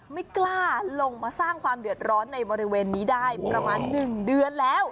ไม่กล้าลงมาสร้างความเดือดร้อนในบริเวณนี้ได้ประมาณ๑เดือนแล้ว